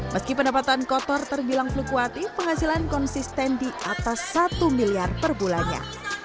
meski pendapatan kotor terbilang fluktuatif penghasilan konsisten di atas satu miliar per bulannya